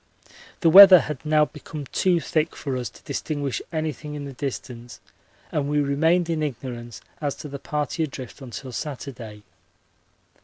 The weather had now become too thick for us to distinguish anything in the distance and we remained in ignorance as to the party adrift until Saturday.